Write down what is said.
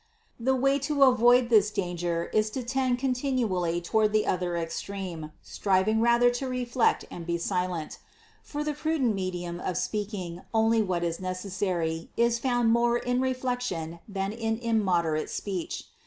387. The way to avoid this danger is to tend contin ually toward the other extreme, striving rather to re flect and be silent. For the prudent medium of speak ing only what is necessary, is found more in reflection than in immoderate speech.